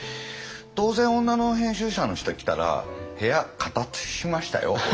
当然女の編集者の人来たら部屋片づけしましたよ俺。